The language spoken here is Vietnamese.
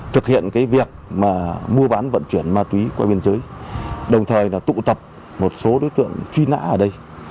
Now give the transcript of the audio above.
thực hiện việc mua bán vận chuyển ma túy qua biên giới đồng thời tụ tập một số đối tượng truy nã ở đây